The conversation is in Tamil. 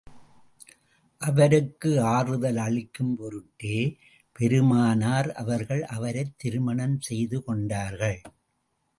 அவருக்கு ஆறுதல் அளிக்கும் பொருட்டே, பெருமானார் அவர்கள், அவரைத் திருமணம் செய்து கொண்டார்கள்.